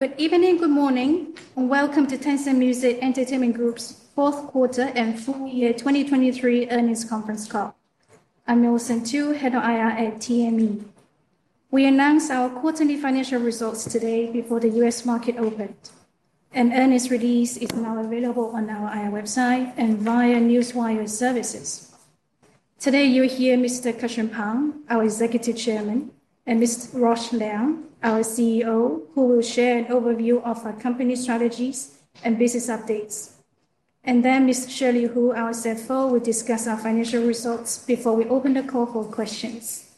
Good evening, good morning, and welcome to Tencent Music Entertainment Group's fourth quarter and full-year 2023 earnings conference call. I'm Millicent Tu, Head of IR at TME. We announced our quarterly financial results today before the U.S. market opened, and earnings release is now available on our IR website and via Newswire services. Today you'll hear Mr. Cussion Pang, our Executive Chairman, and Mr. Ross Liang, our CEO, who will share an overview of our company strategies and business updates. Ms. Shirley Hu, our CFO, will discuss our financial results before we open the call for questions.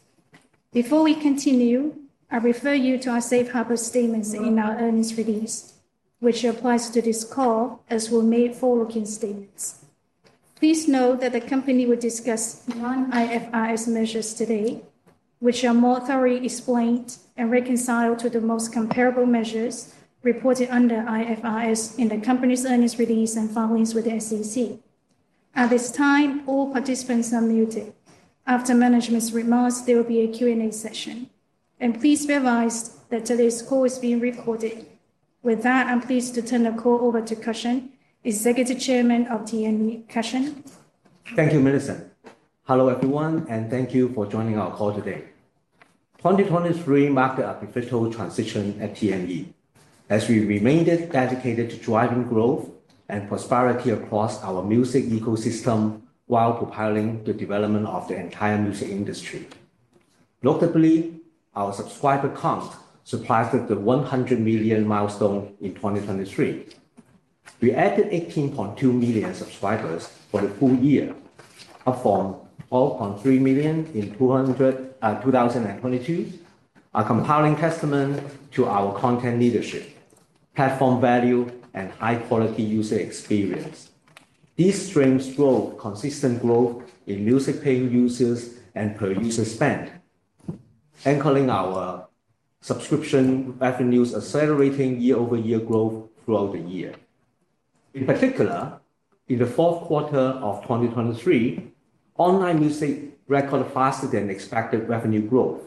Before we continue, I refer you to our safe harbor statements in our earnings release, which applies to this call as well as forward-looking statements. Please note that the company will discuss non-IFRS measures today, which are more thoroughly explained and reconciled to the most comparable measures reported under IFRS in the company's earnings release and filings with the SEC. At this time, all participants are muted. After management's remarks, there will be a Q&A session. Please bear in mind that today's call is being recorded. With that, I'm pleased to turn the call over to Cussion, Executive Chairman of TME, Cussion. Thank you, Millicent. Hello everyone, and thank you for joining our call today. 2023 marked a pivotal transition at TME, as we remained dedicated to driving growth and prosperity across our music ecosystem while propelling the development of the entire music industry. Notably, our subscriber count surpassed the 100 million milestone in 2023. We added 18.2 million subscribers for the full year, up from 12.3 million in 2022, a compelling testament to our content leadership, platform value, and high-quality user experience. These streams show consistent growth in music paying users and per-user spend, anchoring our subscription revenues accelerating year-over-year growth throughout the year. In particular, in the fourth quarter of 2023, online music recorded faster-than-expected revenue growth,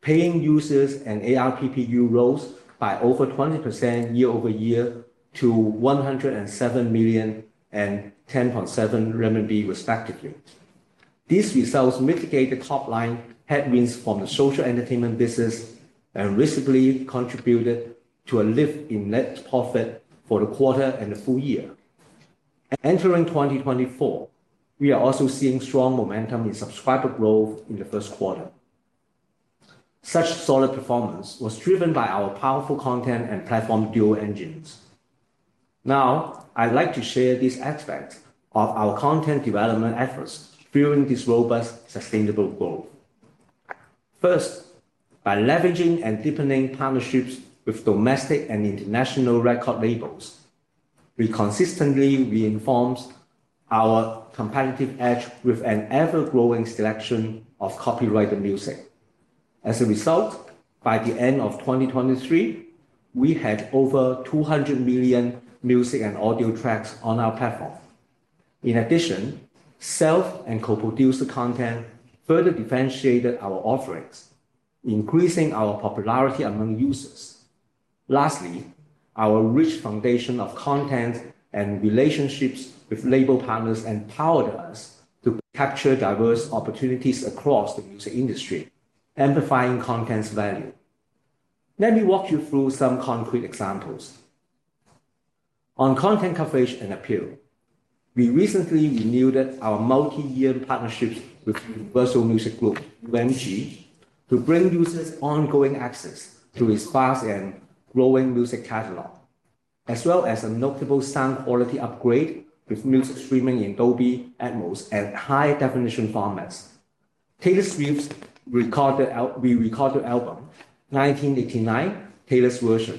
paying users and ARPPU rose by over 20% year-over-year to 107 million and 10.7 renminbi, respectively. These results mitigated top-line headwinds from the social entertainment business and reciprocally contributed to a lift in net profit for the quarter and the full year. Entering 2024, we are also seeing strong momentum in subscriber growth in the first quarter. Such solid performance was driven by our powerful content and platform dual engines. Now, I'd like to share these aspects of our content development efforts fueling this robust, sustainable growth. First, by leveraging and deepening partnerships with domestic and international record labels, we consistently reinforced our competitive edge with an ever-growing selection of copyrighted music. As a result, by the end of 2023, we had over 200 million music and audio tracks on our platform. In addition, self- and co-produced content further differentiated our offerings, increasing our popularity among users. Lastly, our rich foundation of content and relationships with label partners empowered us to capture diverse opportunities across the music industry, amplifying content's value. Let me walk you through some concrete examples. On content coverage and appeal, we recently renewed our multi-year partnership with Universal Music Group, UMG, to bring users ongoing access to its vast and growing music catalog, as well as a notable sound quality upgrade with music streaming in Dolby Atmos and high-definition formats. Taylor Swift's recorded album, 1989 (Taylor's Version),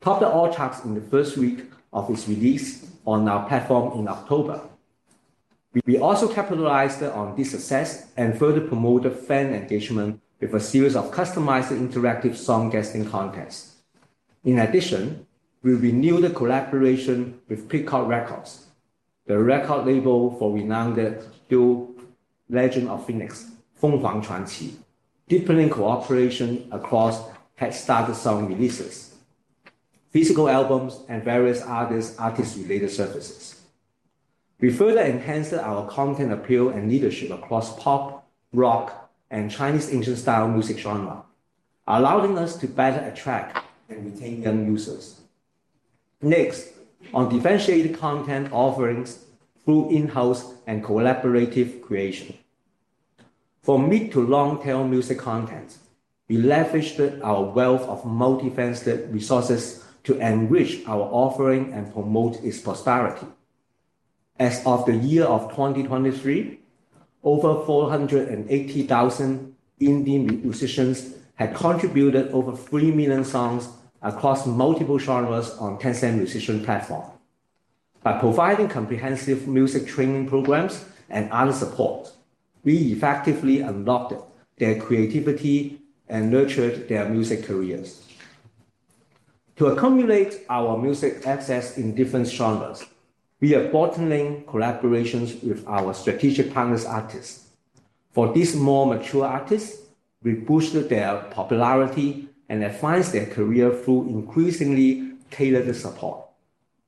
topped all charts in the first week of its release on our platform in October. We also capitalized on this success and further promoted fan engagement with a series of customized interactive song guesting contests. In addition, we renewed the collaboration with Peacock Records, the record label for renowned duo Legend of Phoenix, 凤凰传奇, deepening cooperation across headstart song releases, physical albums, and various other artist-related services. We further enhanced our content appeal and leadership across pop, rock, and Chinese ancient style music genres, allowing us to better attract and retain young users. Next, on differentiated content offerings through in-house and collaborative creation. For mid- to long-tail music content, we leveraged our wealth of multi-faceted resources to enrich our offering and promote its prosperity. As of the year of 2023, over 480,000 indie musicians had contributed over 3 million songs across multiple genres on Tencent Music platform. By providing comprehensive music training programs and other support, we effectively unlocked their creativity and nurtured their music careers. To accumulate our music access in different genres, we are bolstering collaborations with our strategic partners' artists. For these more mature artists, we boosted their popularity and advanced their career through increasingly tailored support.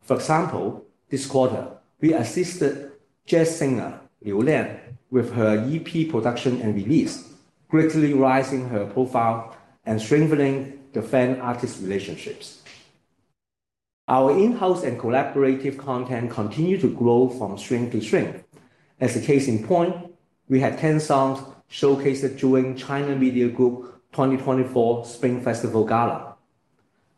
For example, this quarter, we assisted jazz singer Liu Lian with her EP production and release, greatly raising her profile and strengthening the fan-artist relationships. Our in-house and collaborative content continued to grow from strength to strength. As a case in point, we had 10 songs showcased during China Media Group 2024 Spring Festival Gala.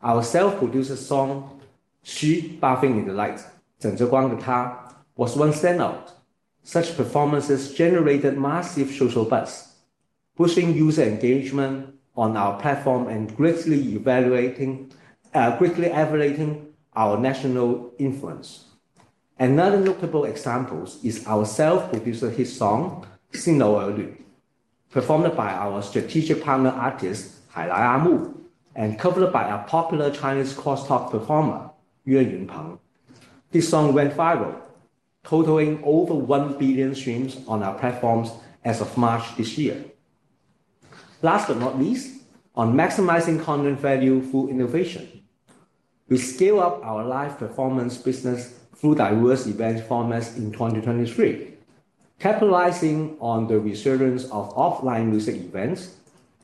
Our self-produced song, She Basks in the Light, 枕着光的她, was a standout. Such performances generated massive social buzz, pushing user engagement on our platform and greatly elevating our national influence. Another notable example is our self-produced hit song, Xilou Ernu, performed by our strategic partner artist Hailai Amu and covered by our popular Chinese crosstalk performer, Yue Yunpeng. This song went viral, totaling over 1 billion streams on our platforms as of March this year. Last but not least, on maximizing content value through innovation, we scaled up our live performance business through diverse event formats in 2023. Capitalizing on the resurgence of offline music events,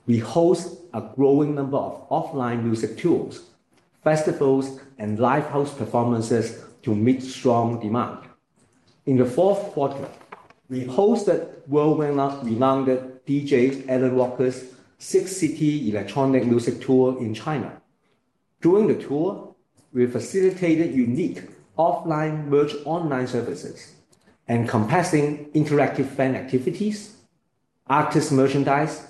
we host a growing number of offline music tours, festivals, and livehouse performances to meet strong demand. In the fourth quarter, we hosted world-renowned DJ Alan Walker's Six City Electronic Music Tour in China. During the tour, we facilitated unique offline merged online services and encompassing interactive fan activities, artist merchandise,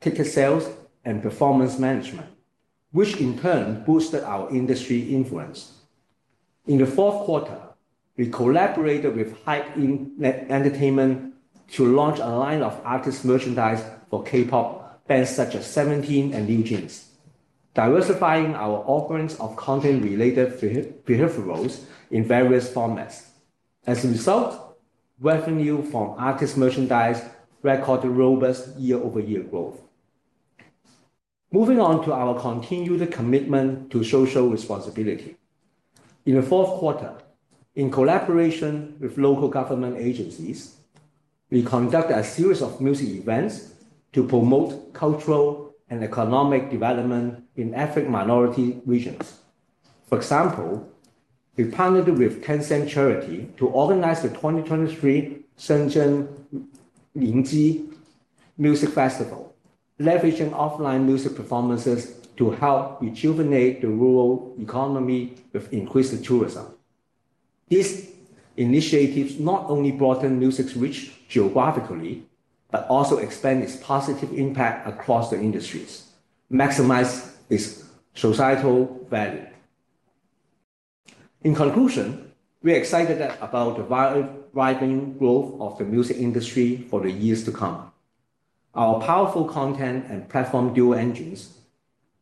ticket sales, and performance management, which in turn boosted our industry influence. In the fourth quarter, we collaborated with HYBE to launch a line of artist merchandise for K-pop bands such as SEVENTEEN and NewJeans, diversifying our offerings of content-related peripherals in various formats. As a result, revenue from artist merchandise recorded robust year-over-year growth. Moving on to our continued commitment to social responsibility. In the fourth quarter, in collaboration with local government agencies, we conducted a series of music events to promote cultural and economic development in ethnic minority regions. For example, we partnered with Tencent Charity to organize the 2023 Shenzhen Litchi Music Festival, leveraging offline music performances to help rejuvenate the rural economy with increased tourism. These initiatives not only broadened music's reach geographically but also expanded its positive impact across the industries, maximizing its societal value. In conclusion, we're excited about the thriving growth of the music industry for the years to come. Our powerful content and platform dual engines,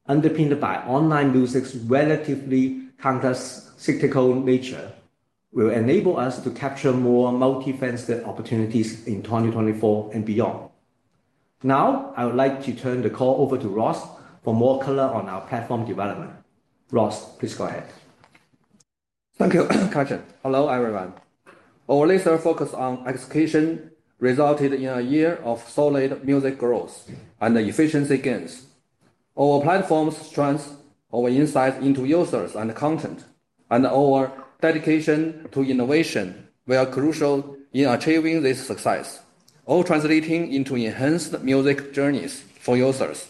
underpinned by online music's relatively congested nature, will enable us to capture more multi-fenced opportunities in 2024 and beyond. Now, I would like to turn the call over to Ross for more color on our platform development. Ross, please go ahead. Thank you, Cussion. Hello everyone. Our laser focus on execution resulted in a year of solid music growth and efficiency gains. Our platform's strengths, our insights into users and content, and our dedication to innovation were crucial in achieving this success, all translating into enhanced music journeys for users.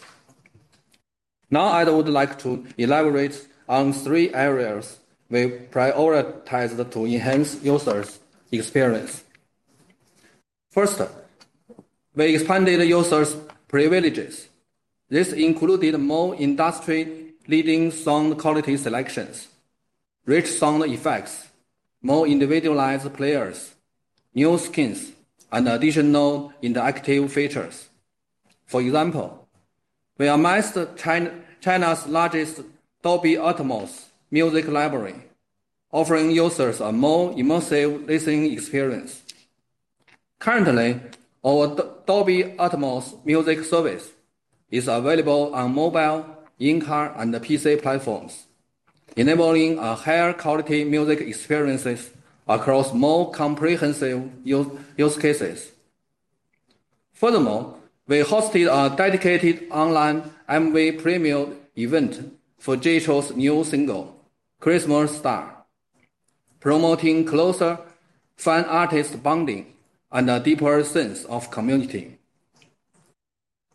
Now, I would like to elaborate on three areas we prioritized to enhance users' experience. First, we expanded users' privileges. This included more industry-leading sound quality selections, rich sound effects, more individualized players, new skins, and additional interactive features. For example, we amassed China's largest Dolby Atmos music library, offering users a more immersive listening experience. Currently, our Dolby Atmos music service is available on mobile, in-car platforms, enabling higher quality music experiences across more comprehensive use cases. Furthermore, we hosted a dedicated online MV preview event for Jay Chou's new single, "Christmas Star," promoting closer fan-artist bonding and a deeper sense of community.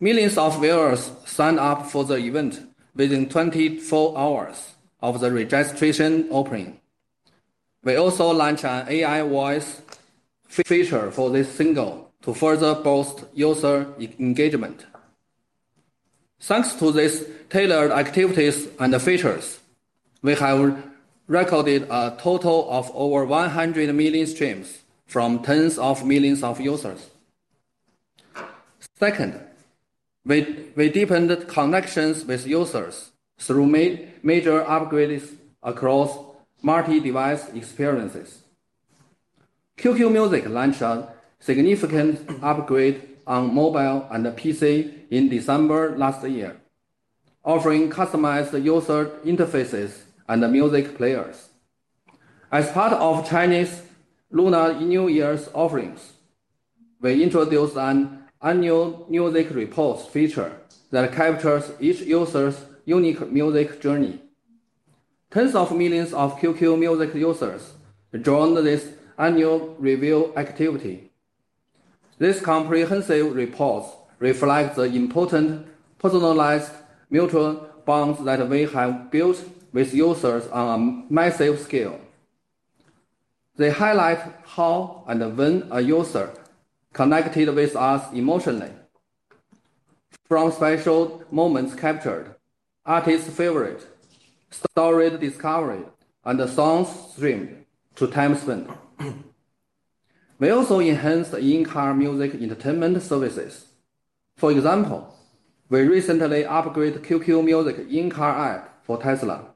Millions of viewers signed up for the event within 24 hours of the registration opening. We also launched an AI voice feature for this single to further boost user engagement. Thanks to these tailored activities and features, we have recorded a total of over 100 million streams from tens of millions of users. Second, we deepened connections with users through major upgrades across multi-device experiences. QQ Music launched a significant upgrade on mobile and PC in December last year, offering customized user interfaces and music players. As part of Chinese Lunar New Year's offerings, we introduced an annual music report feature that captures each user's unique music journey. Tens of millions of QQ Music users joined this annual review activity. These comprehensive reports reflect the important personalized mutual bonds that we have built with users on a massive scale. They highlight how and when a user connected with us emotionally, from special moments captured, artist favorites, storied discovery, and songs streamed to time spent. We also enhanced in-car music entertainment services. For example, we recently upgraded QQ Music's in-car app for Tesla,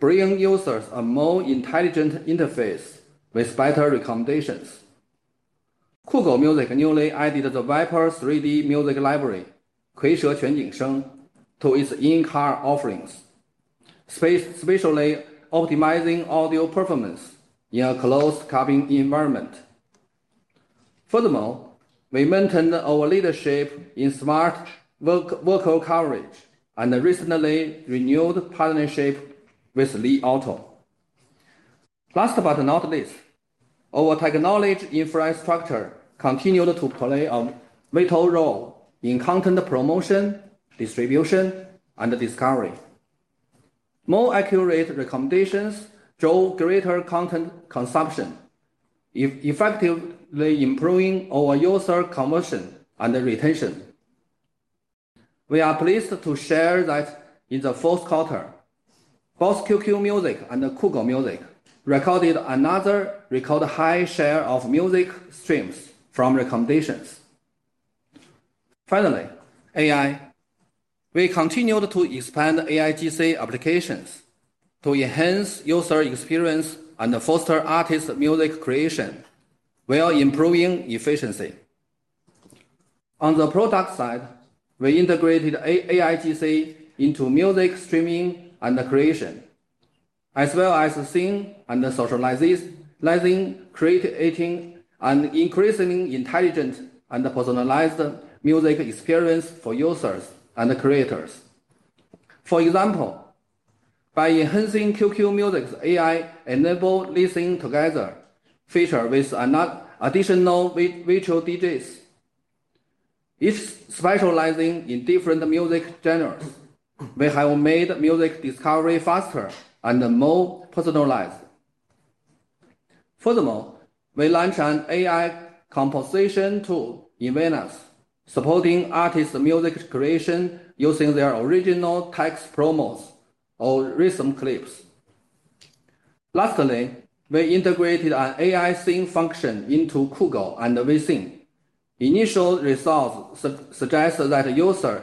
bringing users a more intelligent interface with better recommendations. Kugou Music newly added the Viper 3D Music Library, 蝰蛇全景声, to its in-car offerings, specially optimizing audio performance in a closed cabin environment. Furthermore, we maintained our leadership in smart vocal coverage and recently renewed partnership with Li Auto. Last but not least, our technology infrastructure continued to play a vital role in content promotion, distribution, and discovery. More accurate recommendations drove greater content consumption, effectively improving our user conversion and retention. We are pleased to share that in the fourth quarter, both QQ Music and Kugou Music recorded another record high share of music streams from recommendations. Finally, AI. We continued to expand AIGC applications to enhance user experience and foster artist music creation while improving efficiency. On the product side, we integrated AIGC into music streaming and creation, as well as singing and socializing, creating, and increasingly intelligent and personalized music experiences for users and creators. For example, by enhancing QQ Music's AI-enabled listening together feature with additional virtual DJs, each specializing in different music genres, we have made music discovery faster and more personalized. Furthermore, we launched an AI composition tool in Venus, supporting artists' music creation using their original text promos or rhythm clips. Lastly, we integrated an AI sync function into Kugou Music and WeSing. Initial results suggest that users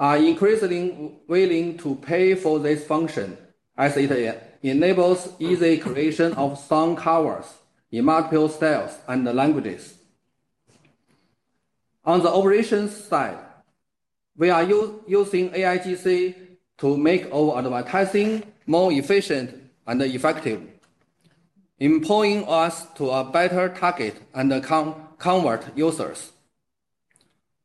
are increasingly willing to pay for this function as it enables easy creation of song covers in multiple styles and languages. On the operations side, we are using AIGC to make our advertising more efficient and effective, enabling us to better target and convert users.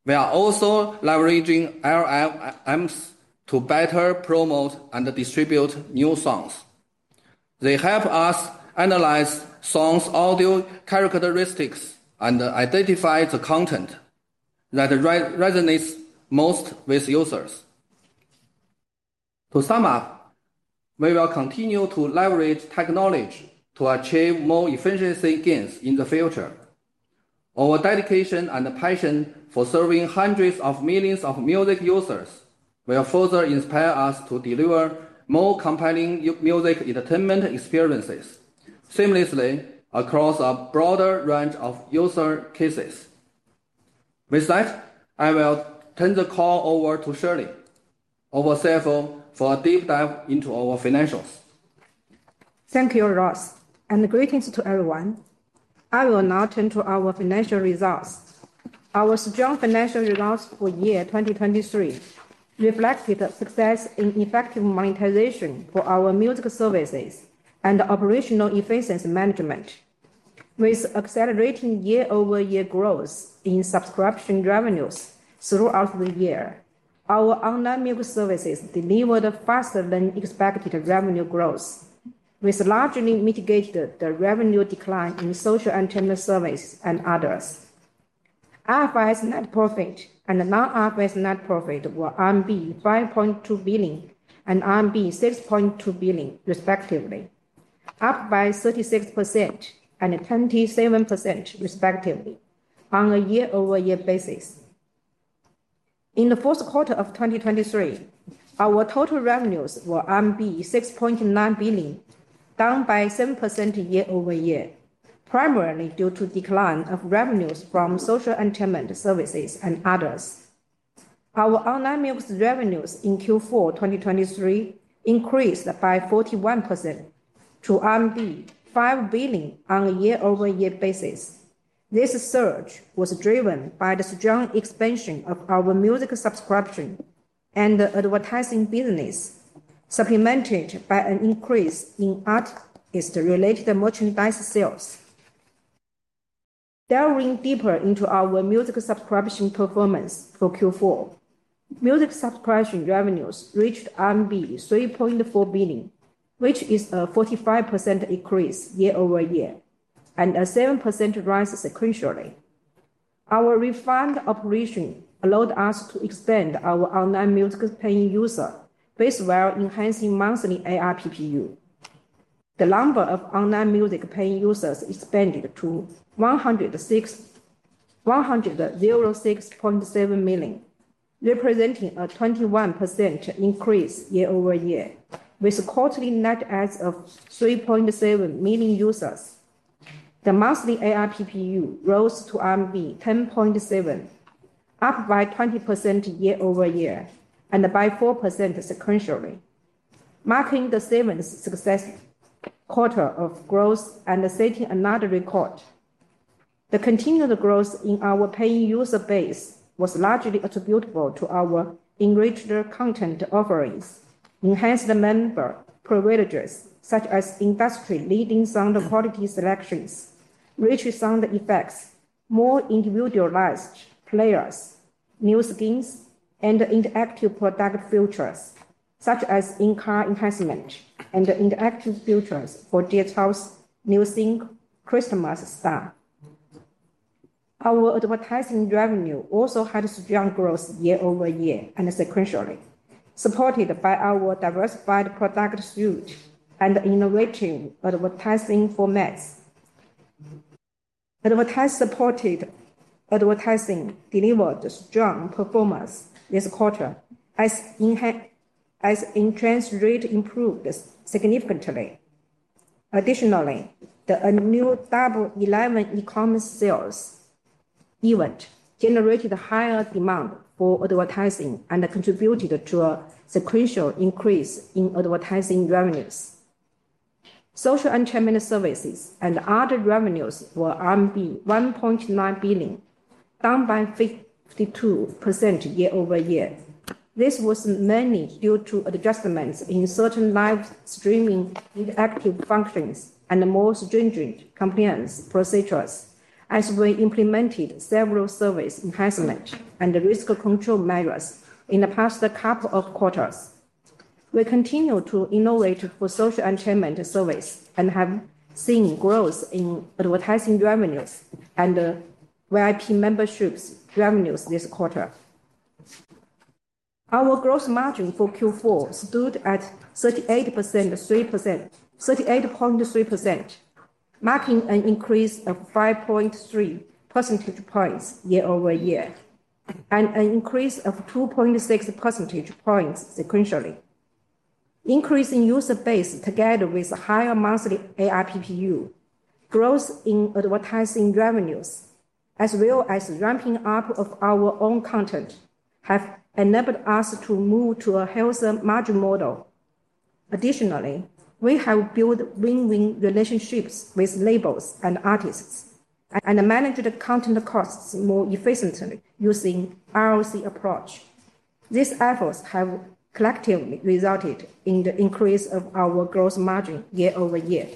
We are also leveraging LLMs to better promote and distribute new songs. They help us analyze songs' audio characteristics and identify the content that resonates most with users. To sum up, we will continue to leverage technology to achieve more efficiency gains in the future. Our dedication and passion for serving hundreds of millions of music users will further inspire us to deliver more compelling music entertainment experiences seamlessly across a broader range of use cases. With that, I will turn the call over to Shirley Hu, our CFO, for a deep dive into our financials. Thank you, Ross. Greetings to everyone. I will now turn to our financial results. Our strong financial results for year 2023 reflected success in effective monetization for our music services and operational efficiency management. With accelerating year-over-year growth in subscription revenues throughout the year, our online music services delivered faster-than-expected revenue growth, which largely mitigated the revenue decline in social entertainment services and others. IFRS net profit and non-IFRS net profit were RMB 5.2 billion and RMB 6.2 billion, respectively, up by 36% and 27%, respectively, on a year-over-year basis. In the fourth quarter of 2023, our total revenues were RMB 6.9 billion, down by 7% year-over-year, primarily due to a decline in revenues from social entertainment services and others. Our online music revenues in Q4 2023 increased by 41% to RMB 5 billion on a year-over-year basis. This surge was driven by the strong expansion of our music subscription and advertising business, supplemented by an increase in artist-related merchandise sales. Delving deeper into our music subscription performance for Q4, music subscription revenues reached RMB 3.4 billion, which is a 45% increase year-over-year and a 7% rise sequentially. Our refined operation allowed us to expand our online music paying users by enhancing monthly ARPPU. The number of online music paying users expanded to 106.7 million, representing a 21% increase year-over-year, with a quarterly net add of 3.7 million users. The monthly ARPPU rose to RMB 10.7, up by 20% year-over-year and by 4% sequentially, marking the seventh success quarter of growth and setting another record. The continued growth in our paying user base was largely attributable to our enriched content offerings, enhanced member privileges such as industry-leading sound quality selections, rich sound effects, more individualized players, new skins, and interactive product features such as in-car enhancement and interactive features for Jay Chou's new single, "Christmas Star." Our advertising revenue also had strong growth year-over-year and sequentially, supported by our diversified product suite and innovative advertising formats. Ad-supported advertising delivered strong performance this quarter, as enhanced rates improved significantly. Additionally, the new Double 11 e-commerce sales event generated higher demand for advertising and contributed to a sequential increase in advertising revenues. Social entertainment services and other revenues were RMB 1.9 billion, down by 52% year-over-year. This was mainly due to adjustments in certain live streaming interactive functions and more stringent compliance procedures as we implemented several service enhancements and risk control measures in the past couple of quarters. We continue to innovate for social entertainment services and have seen growth in advertising revenues and VIP membership revenues this quarter. Our gross margin for Q4 stood at 38.3%, marking an increase of 5.3 percentage points year-over-year and an increase of 2.6 percentage points sequentially. Increasing user base together with higher monthly ARPPU, growth in advertising revenues, as well as ramping up our own content, have enabled us to move to a healthier margin model. Additionally, we have built win-win relationships with labels and artists and managed content costs more efficiently using an ROC approach. These efforts have collectively resulted in the increase of our gross margin year-over-year.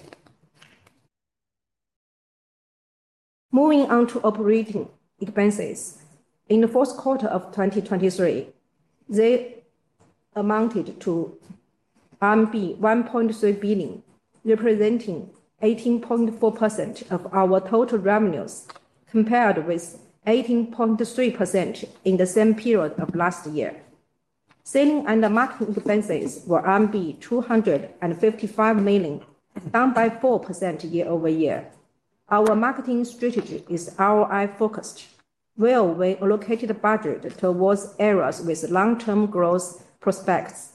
Moving on to operating expenses, in the fourth quarter of 2023, they amounted to 1.3 billion, representing 18.4% of our total revenues compared with 18.3% in the same period of last year. Selling and marketing expenses were RMB 255 million, down by 4% year-over-year. Our marketing strategy is ROI-focused, where we allocated budget towards areas with long-term growth prospects.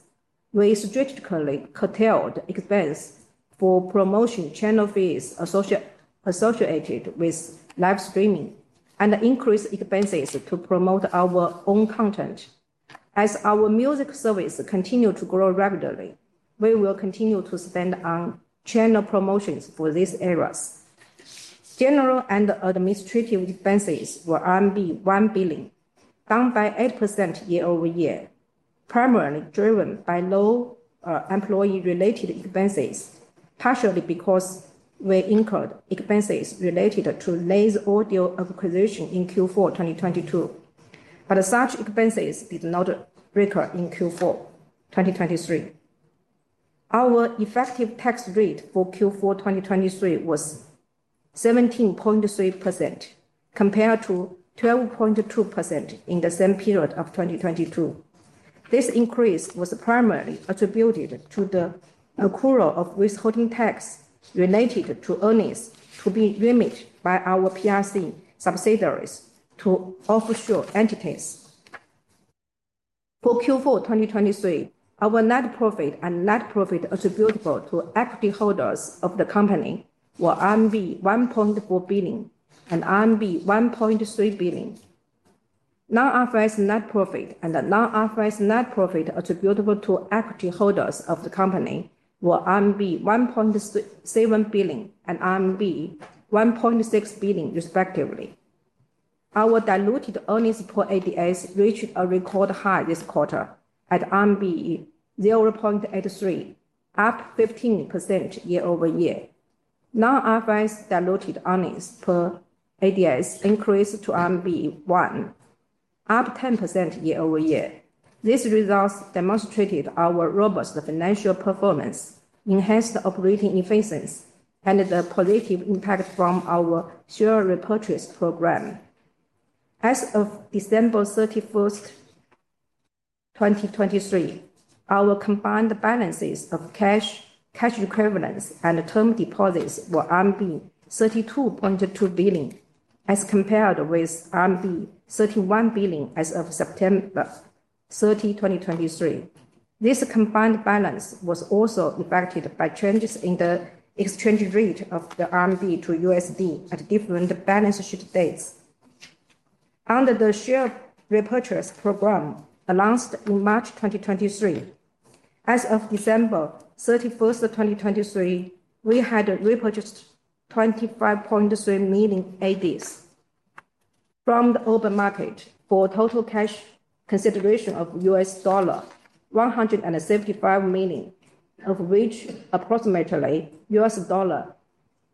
We strategically curtailed expenses for promotion channel fees associated with live streaming and increased expenses to promote our own content. As our music services continue to grow rapidly, we will continue to spend on channel promotions for these areas. General and administrative expenses were 1 billion, down by 8% year-over-year, primarily driven by low employee-related expenses, partially because we incurred expenses related to Lazy Audio acquisition in Q4 2022. But such expenses did not recur in Q4 2023. Our effective tax rate for Q4 2023 was 17.3%, compared to 12.2% in the same period of 2022. This increase was primarily attributed to the accrual of withholding tax related to earnings to be remitted by our PRC subsidiaries to offshore entities. For Q4 2023, our net profit and net profit attributable to equity holders of the company were RMB 1.4 billion and RMB 1.3 billion. Non-IFRS's net profit and Non-IFRS's net profit attributable to equity holders of the company were RMB 1.7 billion and RMB 1.6 billion, respectively. Our diluted earnings per ADS reached a record high this quarter at RMB 0.83, up 15% year-over-year. Non-IFRS's diluted earnings per ADS increased to 1, up 10% year-over-year. These results demonstrated our robust financial performance, enhanced operating efficiency, and the positive impact from our share repurchase program. As of December 31, 2023, our combined balances of cash equivalents and term deposits were RMB 32.2 billion, as compared with RMB 31 billion as of September 30, 2023. This combined balance was also affected by changes in the exchange rate of the RMB to USD at different balance sheet dates. Under the share repurchase program announced in March 2023, as of December 31, 2023, we had repurchased 25.3 million ADS from the open market for total cash consideration of $175 million, of which approximately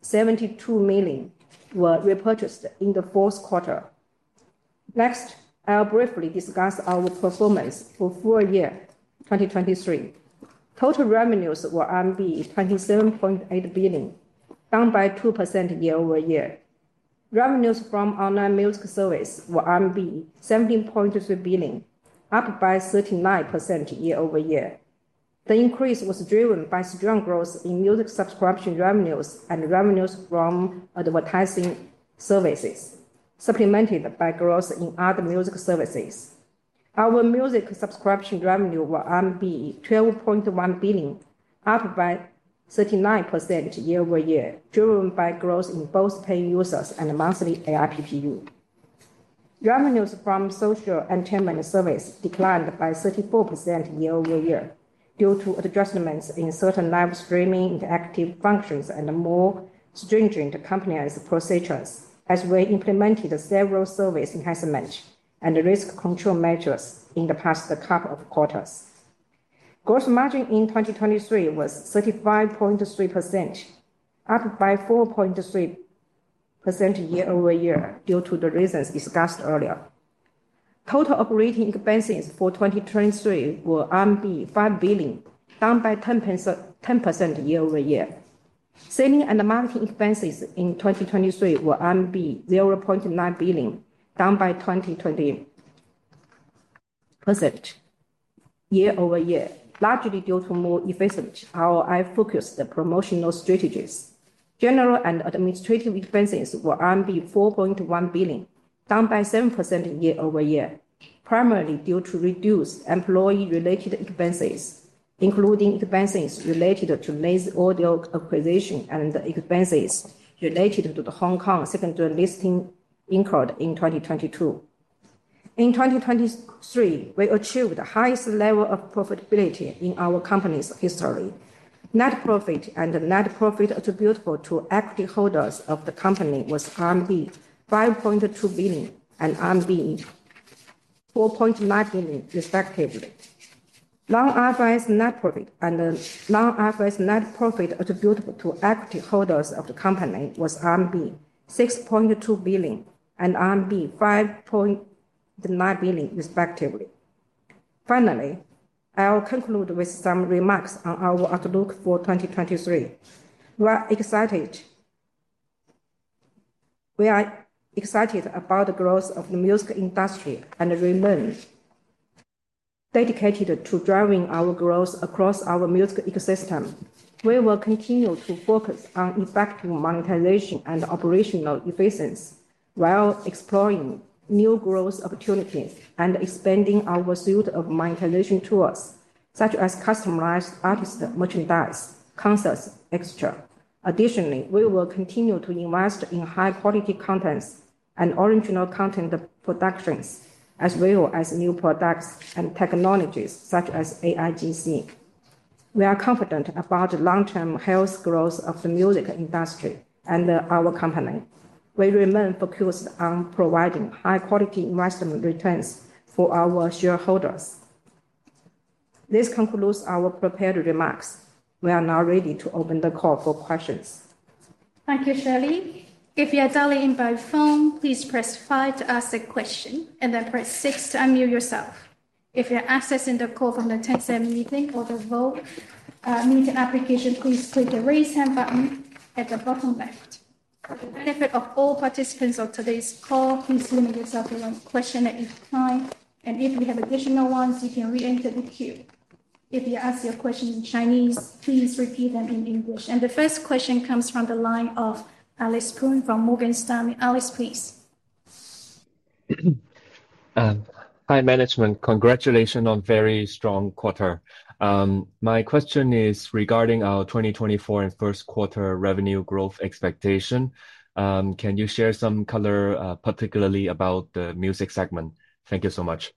$72 million were repurchased in the fourth quarter. Next, I will briefly discuss our performance for full year 2023. Total revenues were RMB 27.8 billion, down by 2% year-over-year. Revenues from online music services were 17.3 billion, up by 39% year-over-year. The increase was driven by strong growth in music subscription revenues and revenues from advertising services, supplemented by growth in other music services. Our music subscription revenue was 12.1 billion, up by 39% year-over-year, driven by growth in both paying users and monthly ARPPU. Revenues from social entertainment services declined by 34% year-over-year due to adjustments in certain live streaming interactive functions and more stringent compliance procedures, as we implemented several service enhancements and risk control measures in the past couple of quarters. Gross margin in 2023 was 35.3%, up by 4.3% year-over-year due to the reasons discussed earlier. Total operating expenses for 2023 were 5 billion, down by 10% year-over-year. Selling and marketing expenses in 2023 were 0.9 billion, down by 20% year-over-year, largely due to more efficient ROI-focused promotional strategies. General and administrative expenses were 4.1 billion, down by 7% year-over-year, primarily due to reduced employee-related expenses, including expenses related to Lazy Audio acquisition and expenses related to the Hong Kong secondary listing incurred in 2022. In 2023, we achieved the highest level of profitability in our company's history. Net profit and net profit attributable to equity holders of the company was RMB 5.2 billion and RMB 4.9 billion, respectively. Non-IFRS net profit and Non-IFRS net profit attributable to equity holders of the company was RMB 6.2 billion and RMB 5.9 billion, respectively. Finally, I will conclude with some remarks on our outlook for 2023. We are excited. We are excited about the growth of the music industry and the revenues dedicated to driving our growth across our music ecosystem. We will continue to focus on effective monetization and operational efficiency, while exploring new growth opportunities and expanding our suite of monetization tools, such as customized artist merchandise, concerts, etc. Additionally, we will continue to invest in high-quality contents and original content productions, as well as new products and technologies such as AIGC. We are confident about the long-term healthy growth of the music industry and our company. We remain focused on providing high-quality investment returns for our shareholders. This concludes our prepared remarks. We are now ready to open the call for questions. Thank you, Shirley. If you are dialing in by phone, please press 5 to ask a question, and then press 6 to unmute yourself. If you are accessing the call from the Tencent Meeting or the VooV Meeting application, please click the "Raise Hand" button at the bottom left. For the benefit of all participants of today's call, please limit yourself to one question at a time. If you have additional ones, you can re-enter the queue. If you ask your questions in Chinese, please repeat them in English. The first question comes from the line of Alice Poon from Morgan Stanley. Alice, please. Hi management. Congratulations on a very strong quarter. My question is regarding our 2024 and first quarter revenue growth expectations. Can you share some color, particularly about the music segment? Thank you so much.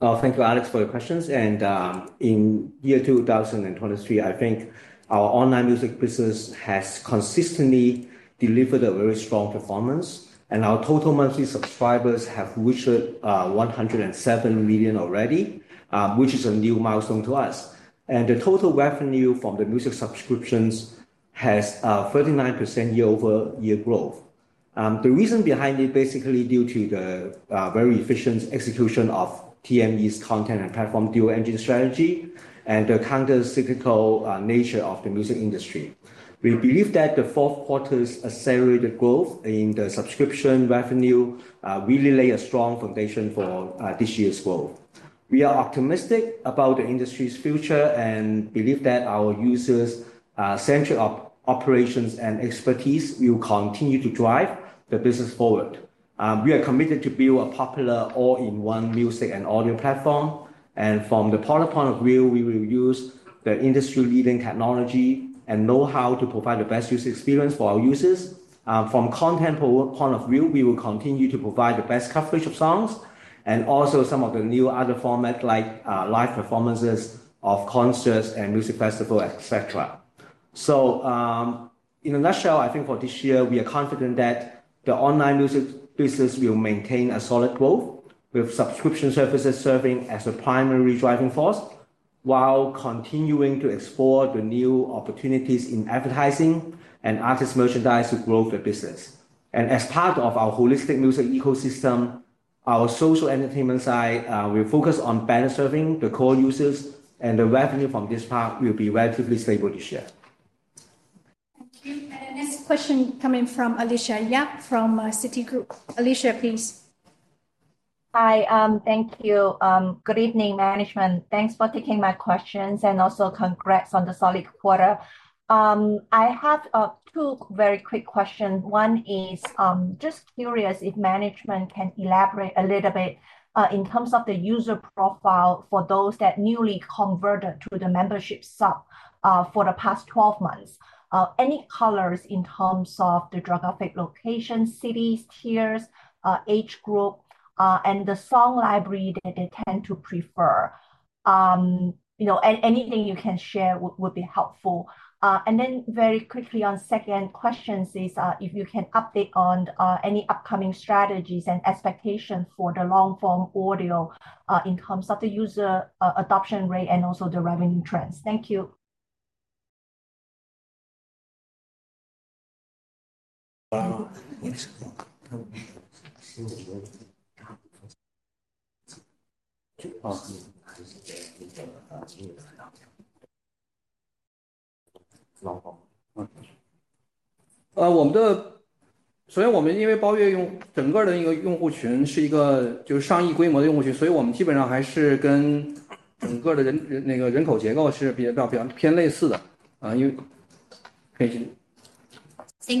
Thank you, Alex, for your questions. In year 2023, I think our online music business has consistently delivered a very strong performance. Our total monthly subscribers have reached 107 million already, which is a new milestone to us. The total revenue from the music subscriptions has 39% year-over-year growth. The reason behind it is basically due to the very efficient execution of TME's content and platform dual-engine strategy and the countercyclical nature of the music industry. We believe that the fourth quarter's accelerated growth in the subscription revenue will lay a strong foundation for this year's growth. We are optimistic about the industry's future and believe that our user-centric operations and expertise will continue to drive the business forward. We are committed to build a popular all-in-one music and audio platform. From the product point of view, we will use the industry-leading technology and know-how to provide the best user experience for our users. From content point of view, we will continue to provide the best coverage of songs and also some of the new other formats like live performances of concerts and music festivals, etc. So in a nutshell, I think for this year, we are confident that the online music business will maintain a solid growth, with subscription services serving as a primary driving force, while continuing to explore the new opportunities in advertising and artist merchandise to grow the business. As part of our holistic music ecosystem, our social entertainment side will focus on better serving the core users, and the revenue from this part will be relatively stable this year. Thank you. And the next question coming from Alicia Yap from Citigroup. Alicia, please. Hi. Thank you. Good evening, management. Thanks for taking my questions, and also congrats on the solid quarter. I have two very quick questions. One is just curious if management can elaborate a little bit in terms of the user profile for those that newly converted to the membership sub for the past 12 months. Any colors in terms of the geographic location, cities, tiers, age group, and the song library that they tend to prefer. Anything you can share would be helpful. And then very quickly on the second question is if you can update on any upcoming strategies and expectations for the long-form audio in terms of the user adoption rate and also the revenue trends. Thank you. 首先，我们因为包月用整个的一个用户群是一个就是上亿规模的用户群，所以我们基本上还是跟整个的人口结构是比较偏类似的。Thank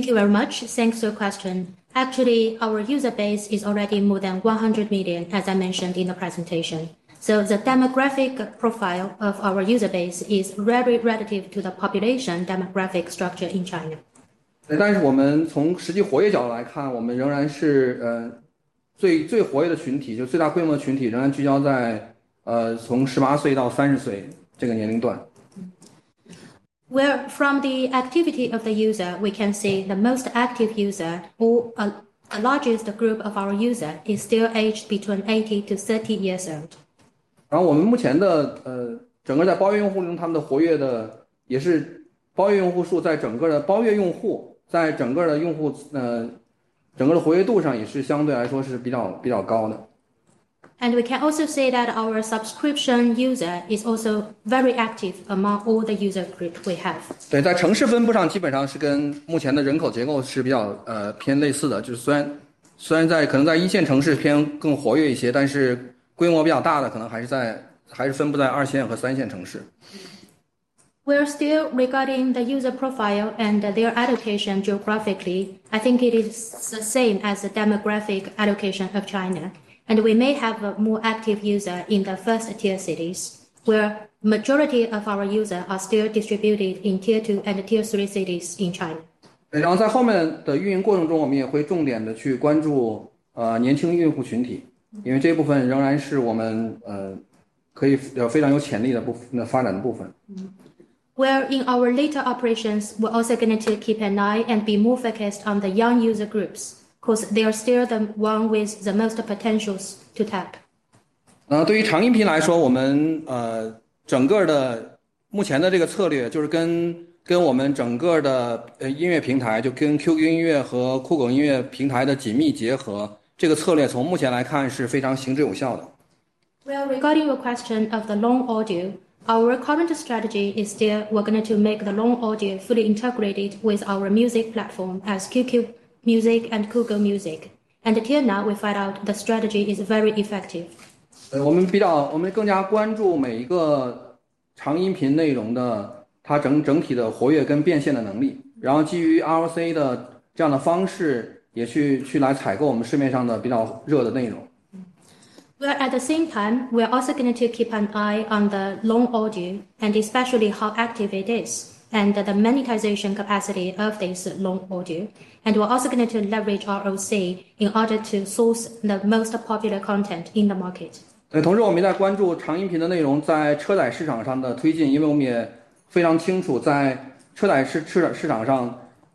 you very much. Thanks for your question. Actually, our user base is already more than 100 million, as I mentioned in the presentation. So the demographic profile of our user base is very relevant to the population demographic structure in China. 但是我们从实际活跃角度来看，我们仍然是最活跃的群体，就是最大规模的群体仍然聚焦在从18岁到30岁这个年龄段。From the activity of the user, we can see the most active user, the largest group of our users, is still aged between 80 to 30 years old. 然后我们目前的整个在包月用户中，他们的活跃的也是包月用户数在整个的包月用户在整个的用户整个的活跃度上也是相对来说是比较高的。We can also say that our subscription user is also very active among all the user groups we have. 对，在城市分布上基本上是跟目前的人口结构是比较偏类似的。就是虽然可能在一线城市偏更活跃一些，但是规模比较大的可能还是在还是分布在二线和三线城市。Regarding the user profile and their allocation geographically, I think it is the same as the demographic allocation of China. We may have more active users in the first-tier cities, where the majority of our users are still distributed in tier two and tier three cities in China. 然后在后面的运营过程中，我们也会重点地去关注年轻用户群体，因为这部分仍然是我们可以非常有潜力的发展的部分。In our later operations, we're also going to keep an eye and be more focused on the young user groups because they are still the ones with the most potential to tap.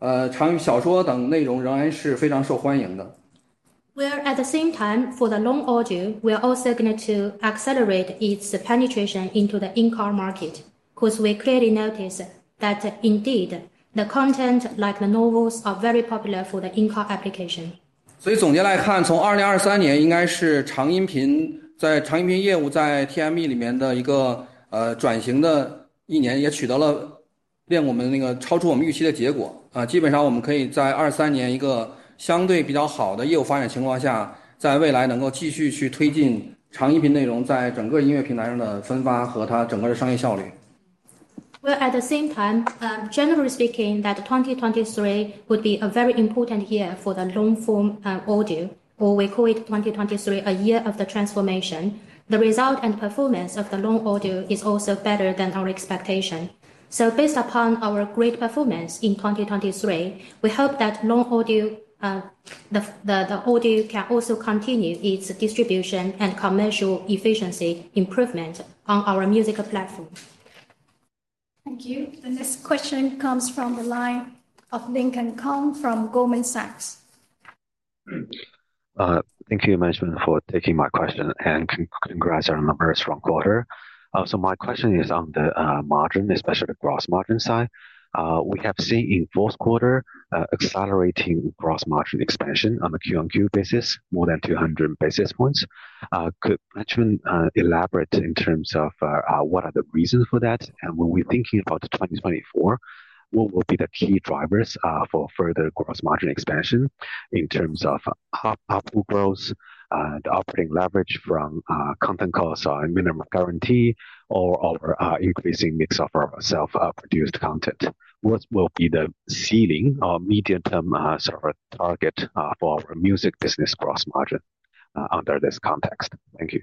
Regarding your Based upon our great performance in 2023, we hope that long-form audio can also continue its distribution and commercial efficiency improvement on our music platform. Thank you. The next question comes from the line of Lincoln Kong from Goldman Sachs. Thank you, management, for taking my question, and congrats on a very strong quarter. So my question is on the margin, especially the gross margin side. We have seen in fourth quarter accelerating gross margin expansion on a Q-on-Q basis, more than 200 basis points. Could management elaborate in terms of what are the reasons for that? When we're thinking about 2024, what will be the key drivers for further gross margin expansion in terms of upward growth, the operating leverage from content costs or minimum guarantee, or our increasing mix of our self-produced content? What will be the ceiling or medium-term sort of target for our music business gross margin under this context? Thank you.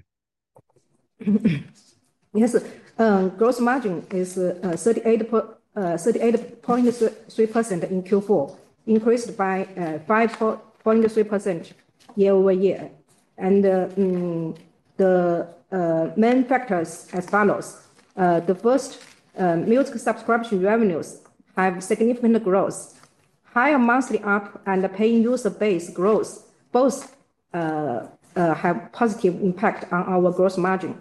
Yes. Gross margin is 38.3% in Q4, increased by 5.3% year-over-year. The main factors are as follows. The first, music subscription revenues have significant growth. Higher MAU and paying user base growth both have a positive impact on our gross margin.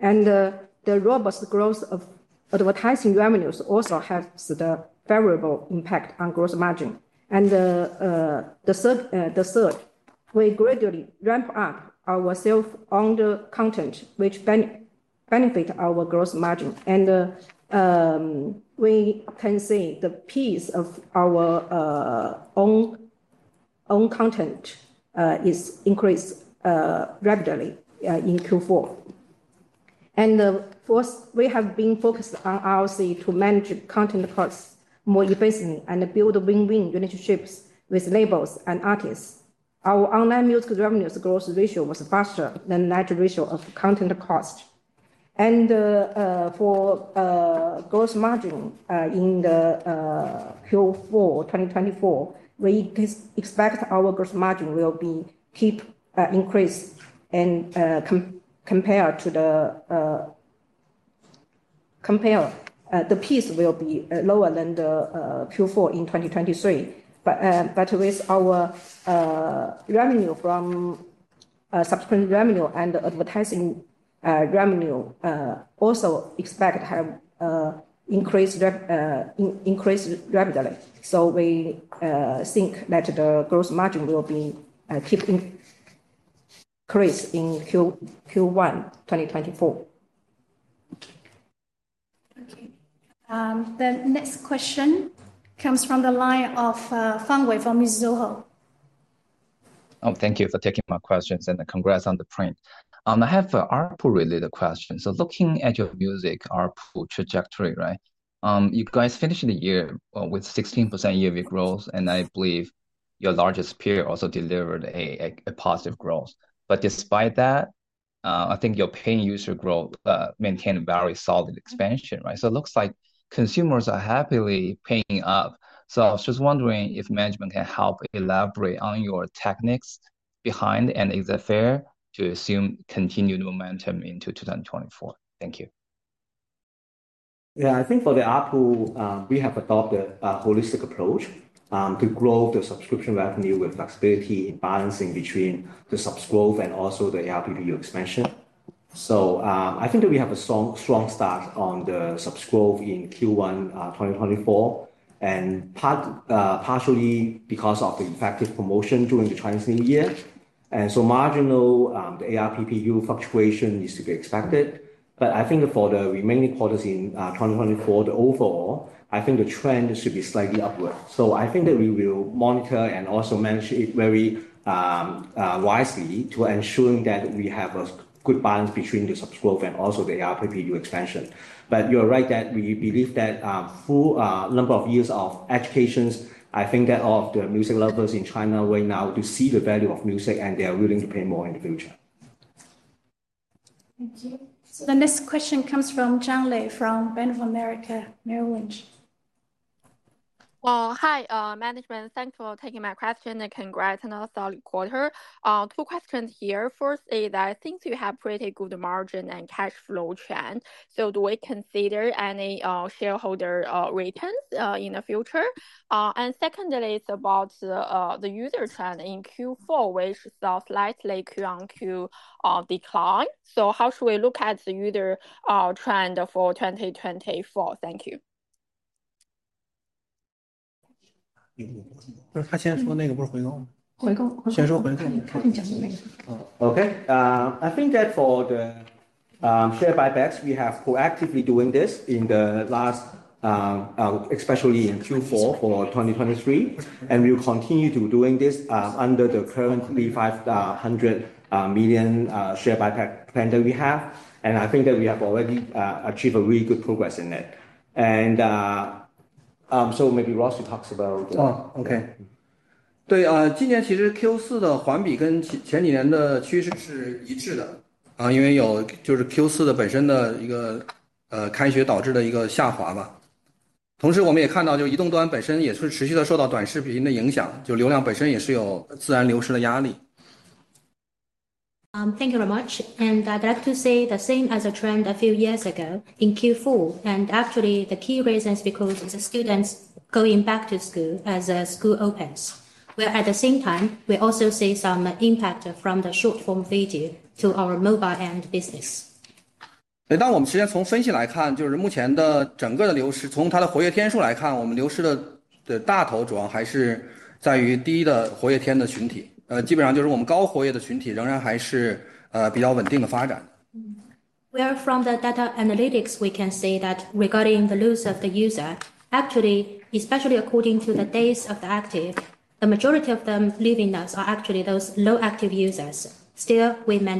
The robust growth of advertising revenues also has a favorable impact on gross margin. The third, we gradually ramp up our self-owned content, which benefits our gross margin. We can say the piece of our own content is increasing rapidly in Q4. Fourth, we have been focused on ROC to manage content costs more efficiently and build win-win relationships with labels and artists. Our online music revenues growth ratio was faster than the net ratio of content cost. For gross margin in Q4 2024, we expect our gross margin will keep increasing compared to this. It will be lower than Q4 2023. With our subscription revenue and advertising revenue, we also expect to have a rapid increase. We think that the gross margin will keep increasing in Q1 2024. Thank you. The next question comes from the line of Wei Fang from Mizuho. Thank you for taking my questions, and congrats on the print. I have an ARPU-related question. So looking at your music, ARPU trajectory, right, you guys finished the year with 16% year-over-year growth, and I believe your largest peer also delivered a positive growth. But despite that, I think your paying user growth maintained very solid expansion, right? So I was just wondering if management can help elaborate on your techniques behind, and is it fair to assume continued momentum into 2024? Thank you. Yeah. I think for the ARPU, we have adopted a holistic approach to grow the subscription revenue with flexibility in balancing between the subs growth and also the ARPU expansion. So I think that we have a strong start on the subs growth in Q1 2024, partially because of the effective promotion during the Chinese New Year. And so marginal ARPU fluctuation is to be expected. But I think for the remaining quarters in 2024, the overall, I think the trend should be slightly upward. So I think that we will monitor and also manage it very wisely to ensure that we have a good balance between the subs growth and also the ARPU expansion. You're right that we believe that through a number of years of education, I think that all of the music lovers in China right now will see the value of music, and they are willing to pay more in the future. Thank you. So the next question comes from Zhang Lei from Bank of America Merrill Lynch. Hi, management. Thanks for taking my question and congrats on a solid quarter. Two questions here. First is I think you have a pretty good margin and cash flow trend. So do we consider any shareholder returns in the future? And secondly, it's about the user trend in Q4, which saw slightly Q on Q decline. So how should we look at the user trend for 2024? Thank you. Hey, can you go back? Hey, can you go back? Hey, can you go back? Hey, can you go back? No, he said he wanted to say that. Hey, can you go back? No, he said he wanted to say that. Hey, can you go back? No, he said he wanted to say that. Okay. I think that for the share buybacks, we have proactively been doing this in the last, especially in Q4 for 2023, and we'll continue to be doing this under the currently 500 million share buyback plan that we have. And I think that we have already achieved really good progress in it. And so maybe Ross will talk about the. 对。今年其实 Q4 的环比跟前几年的趋势是一致的，因为有 Q4 本身的一个开学导致的一个下滑。同时，我们也看到移动端本身也是持续地受到短视频的影响，就流量本身也是有自然流失的压力。Thank you very much. I'd like to say the same as the trend a few years ago in Q4. Actually, the key reason is because the students are going back to school as school opens. Where at the same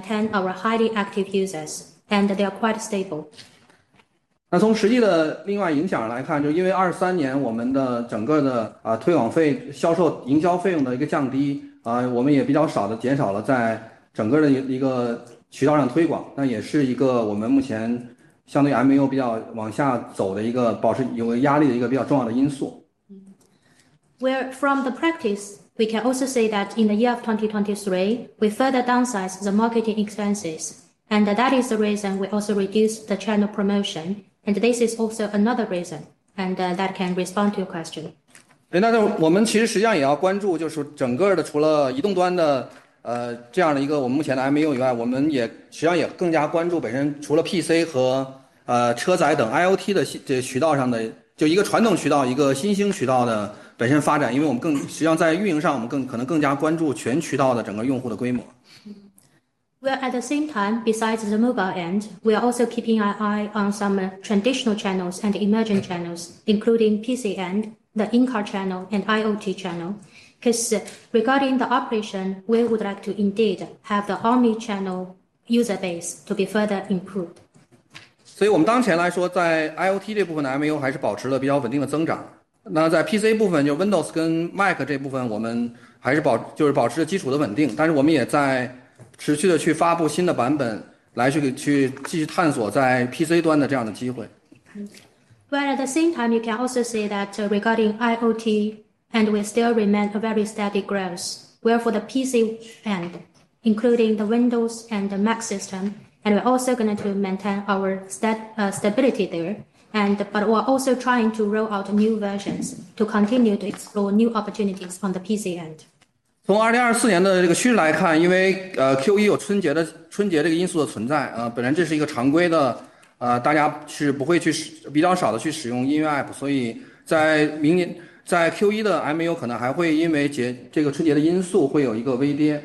time, we also see some impact from the short-form video to our mobile end business. 当然，我们其实从分析来看，就是目前的整个的流失，从它的活跃天数来看，我们流失的大头主要还是在于低的活跃天的群体。基本上就是我们高活跃的群体仍然还是比较稳定的发展的。From the data analytics, we can say that regarding the loss of the user, actually, especially according to the days of the active, the majority of them leaving us are actually those low-active users. Still, we maintain our highly active users, and they are quite stable. 从实际的另外影响来看，就因为23年我们的整个的推广费销售营销费用的一个降低，我们也比较少地减少了在整个的一个渠道上推广。那也是一个我们目前相对MAU比较往下走的一个保持有压力的一个比较重要的因素。From the practice, we can also say that in the year of 2023, we further downsized the marketing expenses. That is the reason we also reduced the channel promotion. This is also another reason. That can respond to your question. 我们其实实际上也要关注就是整个的除了移动端的这样的一个我们目前的MAU以外，我们也实际上也更加关注本身除了PC和车载等IoT的渠道上的就一个传统渠道，一个新兴渠道的本身发展。因为我们实际上在运营上，我们可能更加关注全渠道的整个用户的规模。Where at the same time, besides the mobile end, we are also keeping an eye on some traditional channels and emerging channels, including PC end, the in-car channel, and IoT channel. Because regarding the operation, we would like to indeed have the ARMY channel user base to be further improved. 所以我们当前来说，在IoT这部分的MAU还是保持了比较稳定的增长。那在PC部分，就Windows跟Mac这部分，我们还是保持着基础的稳定。但是我们也在持续地去发布新的版本来去继续探索在PC端的这样的机会。At the same time, you can also say that regarding the IoT end, we still remain a very steady growth. For the PC end, including the Windows and the Mac system, we're also going to maintain our stability there. But we're also trying to roll out new versions to continue to explore new opportunities on the PC end. 从2024年的这个趋势来看，因为Q1有春节这个因素的存在，本来这是一个常规的，大家是不会去比较少地去使用音乐APP。所以在Q1的MAU可能还会因为春节的因素会有一个微跌。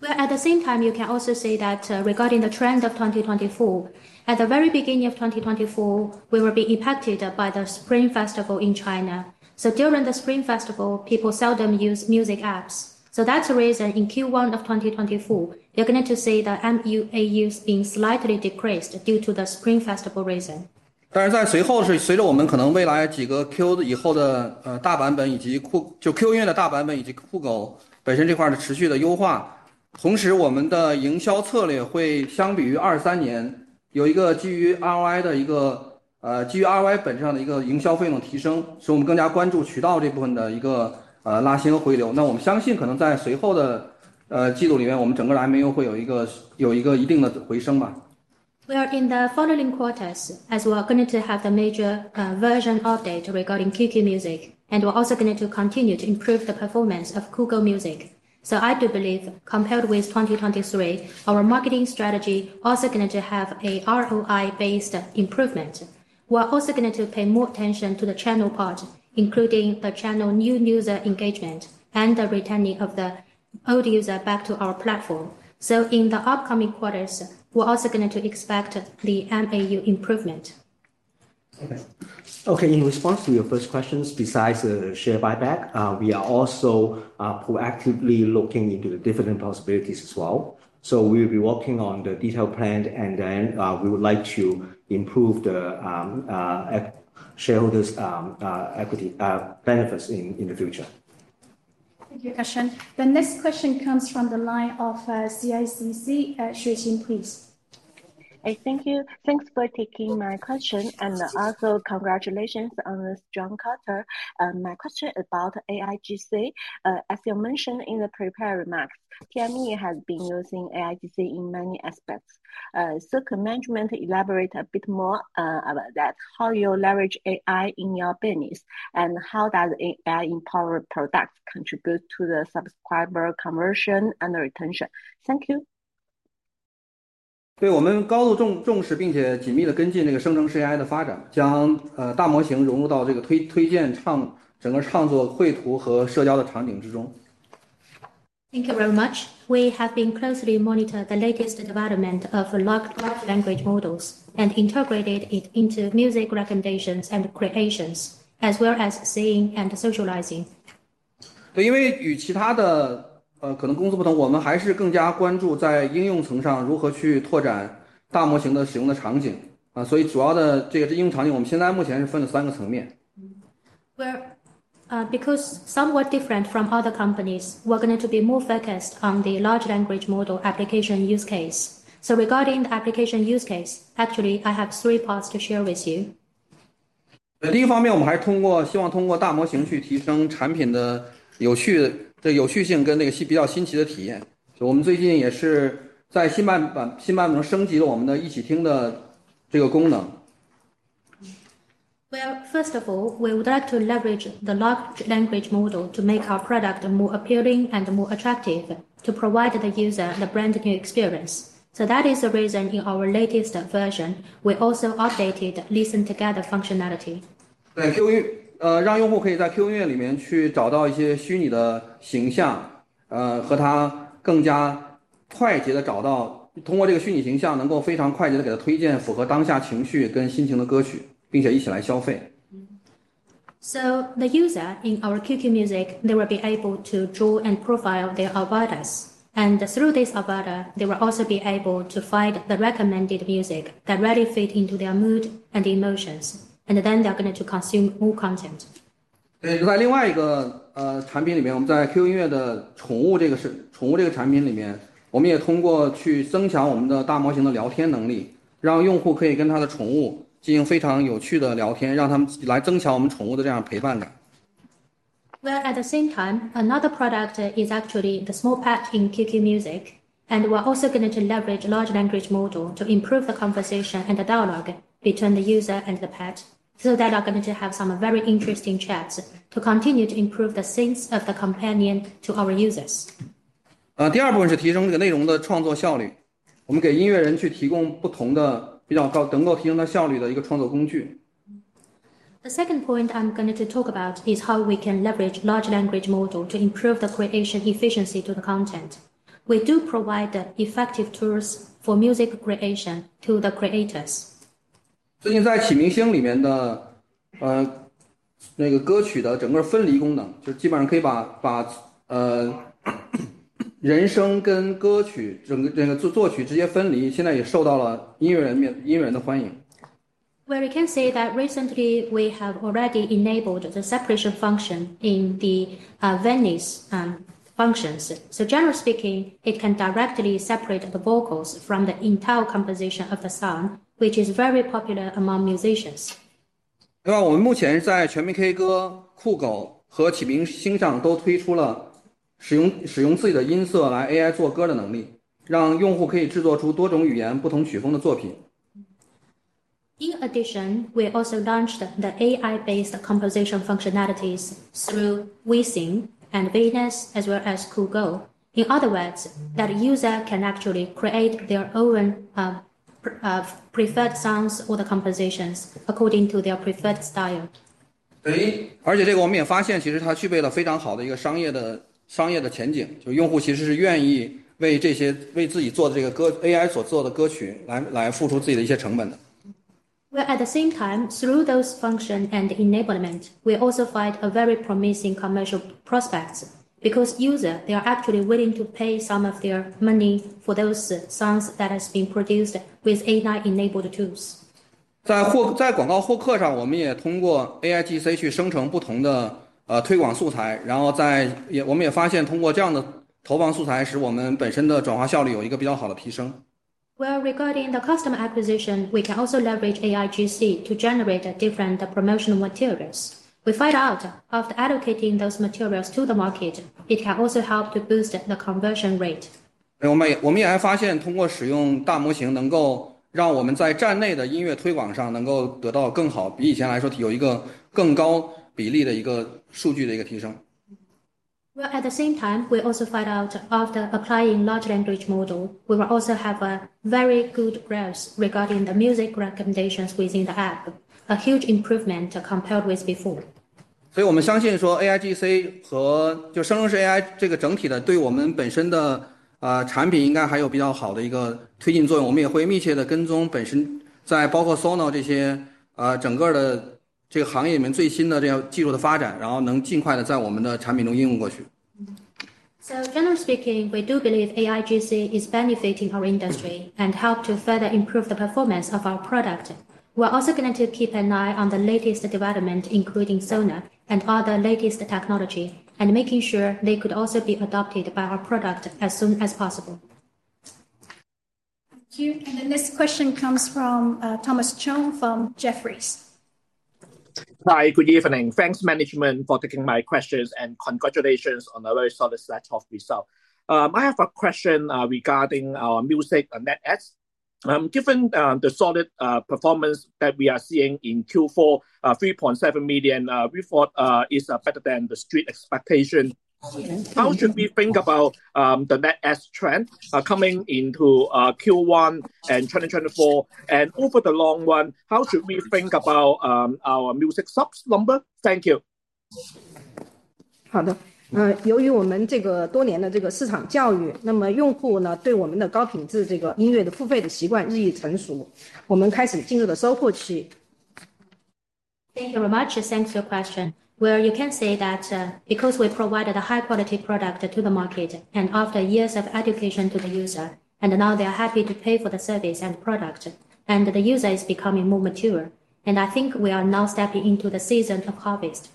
Where, at the same time, you can also say that regarding the trend of 2024, at the very beginning of 2024, we were being impacted by the Spring Festival in China. So during the Spring Festival, people seldom used music apps. So that's the reason in Q1 of 2024, you're going to see the MAUs being slightly decreased due to the Spring Festival reason. 当然，在随后是随着我们可能未来几个Q以后的大版本以及Q音乐的大版本以及酷狗本身这块的持续的优化，同时我们的营销策略会相比于23年有一个基于ROI的一个基于ROI本身上的一个营销费用提升。所以我们更加关注渠道这部分的一个拉新和回流。那我们相信可能在随后的季度里面，我们整个的MAU会有一个一定的回升。We are in the following quarters as we are going to have the major version update regarding QQ Music, and we're also going to continue to improve the performance of Kugou Music. So I do believe compared with 2023, our marketing strategy is also going to have an ROI-based improvement. We're also going to pay more attention to the channel part, including the channel new user engagement and the returning of the old user back to our platform. So in the upcoming quarters, we're also going to expect the MAU improvement. Okay. In response to your first questions, besides the share buyback, we are also proactively looking into the different possibilities as well. We will be working on the detailed plan, and then we would like to improve the shareholders' equity benefits in the future. Thank you, Cussion. The next question comes from the line of CICC. Xueqing, please. Hey, thank you. Thanks for taking my question, and also congratulations on a strong quarter. My question is about AIGC. As you mentioned in the prepared remarks, TME has been using AIGC in many aspects. So could management elaborate a bit more about that? How do you leverage AI in your business, and how do AI-powered products contribute to the subscriber conversion and retention? Thank you. 对。我们高度重视并且紧密地跟进生成式AI的发展，将大模型融入到推荐整个创作绘图和社交的场景之中。Thank you very much. We have been closely monitoring the latest development of large language models and integrated it into music recommendations and creations, as well as seeing and socializing. 对。因为与其他的可能公司不同，我们还是更加关注在应用层上如何去拓展大模型的使用的场景。所以主要的这个应用场景，我们现在目前是分了三个层面。Because somewhat different from other companies, we're going to be more focused on the large language model application use case. So regarding the application use case, actually, I have three parts to share with you. 第一方面，我们还希望通过大模型去提升产品的有趣性跟比较新奇的体验。我们最近也是在新版本中升级了我们的一起听的这个功能。First of all, we would like to leverage the large language model to make our product more appealing and more attractive, to provide the user a brand new experience. That is the reason in our latest version, we also updated Listen Together functionality. 对。让用户可以在Q音乐里面去找到一些虚拟的形象，和它更加快捷地找到通过这个虚拟形象能够非常快捷地给它推荐符合当下情绪跟心情的歌曲，并且一起来消费。The user in our QQ Music will be able to draw and profile their avatars. Through this avatar, they will also be able to find the recommended music that really fits into their mood and emotions. Then they are going to consume more content. 对。就在另外一个产品里面，我们在Q音乐的宠物这个产品里面，我们也通过去增强我们的大模型的聊天能力，让用户可以跟他的宠物进行非常有趣的聊天，让他们来增强我们宠物的这样陪伴感。While at the same time, another product is actually the SmallPet in QQ Music. We're also going to leverage the large language model to improve the conversation and the dialogue between the user and the pet, so they are going to have some very interesting chats to continue to improve the sense of the companion to our users. 第二部分是提升这个内容的创作效率。我们给音乐人去提供不同的比较高能够提升他效率的一个创作工具。The second point I'm going to talk about is how we can leverage the large language model to improve the creation efficiency to the content. We do provide effective tools for music creation to the creators. 最近在《启明星》里面的歌曲的整个分离功能，就是基本上可以把人声跟歌曲整个作曲直接分离，现在也受到了音乐人的欢迎。Where we can say that recently, we have already enabled the separation function in the Venus functions. So generally speaking, it can directly separate the vocals from the entire composition of the song, which is very popular among musicians. 我们目前在全民K歌、酷狗和《启明星》上都推出了使用自己的音色来AI做歌的能力，让用户可以制作出多种语言不同曲风的作品。In addition, we also launched the AI-based composition functionalities through WeSing and Venus, as well as Kugou. In other words, that user can actually create their own preferred songs or the compositions according to their preferred style. 而且这个我们也发现其实它具备了非常好的一个商业的前景，就是用户其实是愿意为自己做的这个歌AI所做的歌曲来付出自己的一些成本的。Where, at the same time, through those functions and enablement, we also find a very promising commercial prospects because users, they are actually willing to pay some of their money for those songs that have been produced with AI-enabled tools. 在广告获客上，我们也通过AIGC去生成不同的推广素材，然后我们也发现通过这样的投放素材使我们本身的转化效率有一个比较好的提升。Where regarding the customer acquisition, we can also leverage AIGC to generate different promotional materials. We find out after allocating those materials to the market, it can also help to boost the conversion rate. 我们也还发现通过使用大模型能够让我们在站内的音乐推广上能够得到更好，比以前来说有一个更高比例的一个数据的一个提升。While at the same time, we also find out after applying the large language model, we will also have very good growth regarding the music recommendations within the app, a huge improvement compared with before. 所以我们相信说AIGC和生成式AI这个整体的对我们本身的产品应该还有比较好的一个推进作用。我们也会密切地跟踪本身在包括Suno这些整个的行业里面最新的这样技术的发展，然后能尽快地在我们的产品中应用过去。Generally speaking, we do believe AIGC is benefiting our industry and helps to further improve the performance of our product. We're also going to keep an eye on the latest development, including Suno and other latest technology, and making sure they could also be adopted by our product as soon as possible. Thank you. The next question comes from Thomas Chong from Jefferies. Hi. Good evening. Thanks, management, for taking my questions, and congratulations on a very solid set of results. I have a question regarding our music and NetEase. Given the solid performance that we are seeing in Q4, 3.7 million records is better than the street expectation. How should we think about the NetEase trend coming into Q1 and 2024? And over the long run, how should we think about our music subs number? Thank you. 好的。由于我们多年的市场教育，那么用户对我们的高品质音乐的付费习惯日益成熟。我们开始进入了收货期。Thank you very much. Thanks for your question. Where you can say that because we provided a high-quality product to the market and after years of education to the user, and now they are happy to pay for the service and product, and the user is becoming more mature. I think we are now stepping into the season of harvest.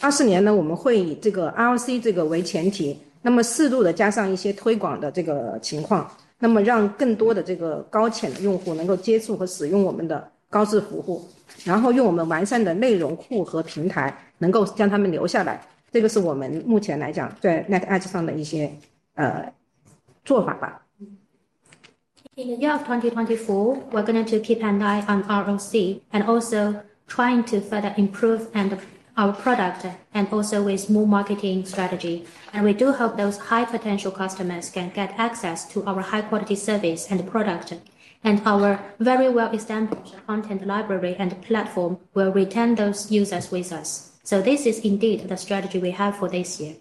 24年我们会以ROC为前提，那么适度地加上一些推广的情况，那么让更多的高潜用户能够接触和使用我们的高质服务，然后用我们完善的内容库和平台能够将他们留下来。这个是我们目前来讲在net adds上的一些做法。In the year of 2024, we're going to keep an eye on ROC and also trying to further improve our product and also with more marketing strategy. We do hope those high-potential customers can get access to our high-quality service and product, and our very well-established content library and platform will retain those users with us. This is indeed the strategy we have for this year.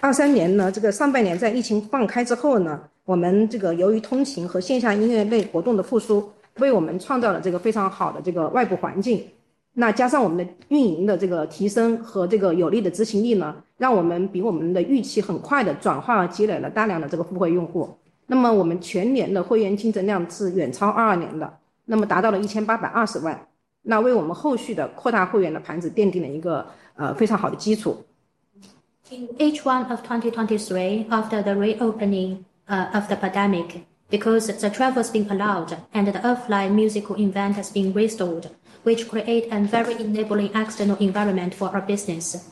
23年上半年在疫情放开之后，我们由于通行和线上音乐类活动的复苏，为我们创造了非常好的外部环境。那加上我们的运营的提升和有力的执行力，让我们比我们的预期很快地转化积累了大量的付费用户。那么我们全年的会员金额量是远超22年的，那么达到了1820万，为我们后续的扩大会员的盘子奠定了一个非常好的基础。In H1 of 2023, after the reopening of the pandemic, because the travel has been allowed and the offline musical event has been restored, which creates a very enabling external environment for our business.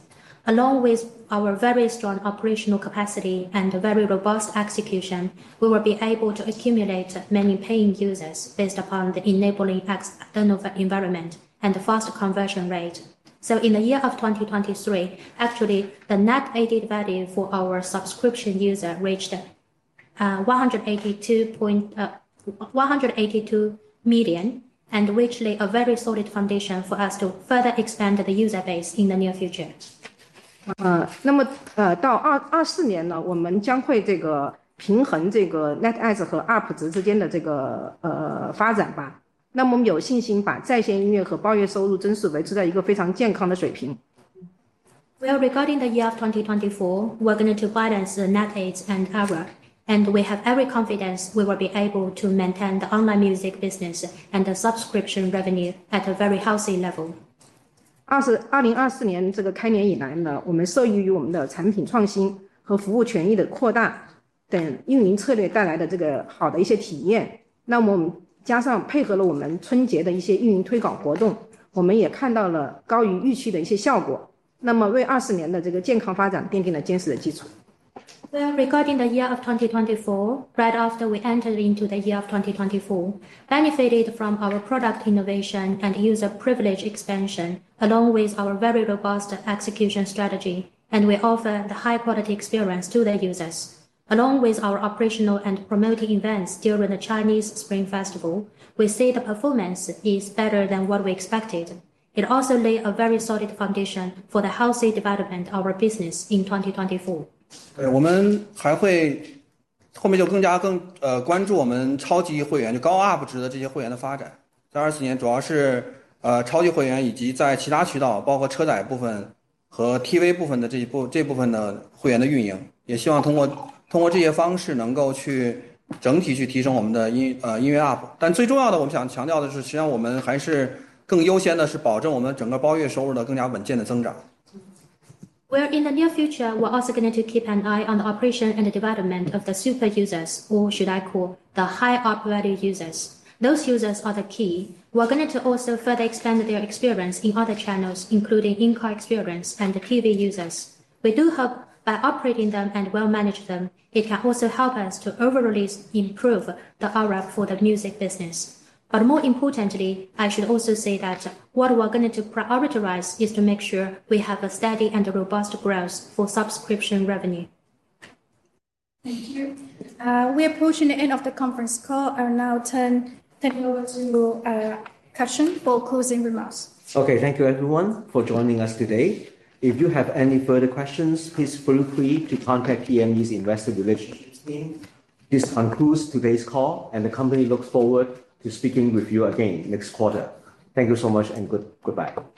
Along with our very strong operational capacity and very robust execution, we will be able to accumulate many paying users based upon the enabling external environment and the fast conversion rate. So in the year of 2023, actually, the net added value for our subscription user reached 182 million, and which laid a very solid foundation for us to further expand the user base in the near future. 那么到24年，我们将会平衡net addst和ARPPU值之间的发展。那么我们有信心把在线音乐和包月收入增速维持在一个非常健康的水平。With regard to the year 2024, we're going to balance MAU and ARPPU, and we have every confidence we will be able to maintain the online music business and the subscription revenue at a very healthy level. regard to the year of 2024, right after we entered into the year of 2024, benefited from our product innovation and user privilege expansion, along with our very robust execution strategy, and we offer the high-quality experience to the users. Along with our operational and promotional events during the Chinese Spring Festival, we see the performance is better than what we expected. It also laid a very solid foundation for the healthy development of our business in 2024. In the near future, we're also going to keep an eye on the operation and development of the super users, or should I call the high ARPPU value users. Those users are the key. We're going to also further expand their experience in other channels, including in-car experience and TV users. We do hope by operating them and well-managing them, it can also help us to overall improve the ARPPU for the music business. But more importantly, I should also say that what we're going to prioritize is to make sure we have a steady and robust growth for subscription revenue. Thank you. We're approaching the end of the conference call and now turn over to Cussion for closing remarks. Okay. Thank you, everyone, for joining us today. If you have any further questions, please feel free to contact TME's Investor Relations team. This concludes today's call, and the company looks forward to speaking with you again next quarter. Thank you so much, and goodbye.